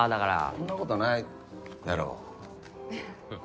そんなことないだろ。